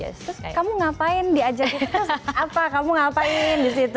terus kamu ngapain diajak apa kamu ngapain di situ